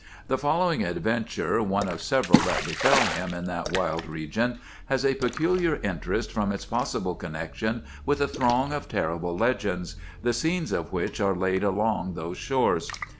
The following adventure, one of several that befell him in that wild region, has a peculiar interest from its possible connection with a throng of terrible legends, the scenes of which are laid along those shores.